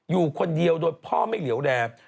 อยู่คนเดียวโดยพ่อไม่เหลี่ยวแรม